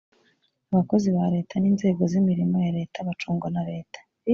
abakozi ba leta n ‘inzego z’ imirimo ya leta bacungwa na leta.